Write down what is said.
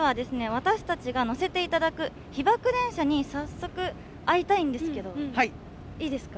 私たちが乗せていただく被爆電車に早速会いたいんですけどいいですか？